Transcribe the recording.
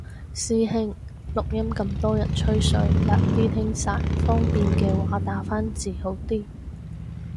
師兄，錄音咁多人吹水難啲聽晒，方便嘅話打返字好啲